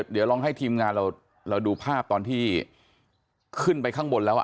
เดี๋ยวลองให้ทีมงานเราดูภาพตอนที่ขึ้นไปข้างบนแล้ว